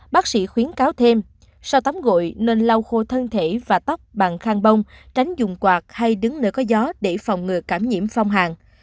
bác sĩ khuyến cáo thêm sau tắm gội nên lau khô thân thể và tóc bằng khang bông tránh dùng quạt hay đứng nơi có gió để phòng ngừa cảm nhiễm phong hàng